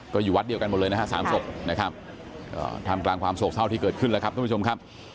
ก็อยู่วัดเดียวกันหมดเลยนะฮะสามศพนะครับทำกลางความโศกเศร้าที่เกิดขึ้นแล้วครับท่านผู้ชมครับ